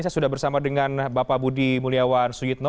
saya sudah bersama dengan bapak budi mulyawan suyitno